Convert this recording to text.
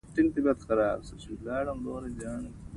شېرمحمد د روپیو خبره وکړه.